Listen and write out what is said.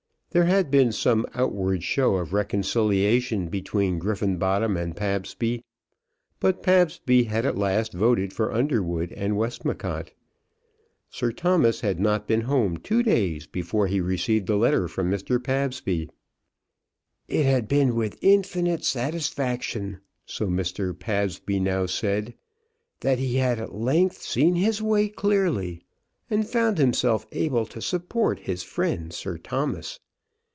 There had been some outward show of reconciliation between Griffenbottom and Pabsby; but Pabsby had at last voted for Underwood and Westmacott. Sir Thomas had not been home two days before he received a letter from Mr. Pabsby. "It had been with infinite satisfaction," so Mr. Pabsby now said, "that he had at length seen his way clearly, and found himself able to support his friend Sir Thomas.